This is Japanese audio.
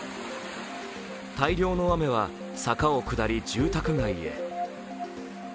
大量の雨は坂を下り住宅街へ。